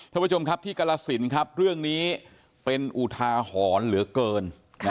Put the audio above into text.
ท่านผู้ชมครับที่กรสินครับเรื่องนี้เป็นอุทาหรณ์เหลือเกิน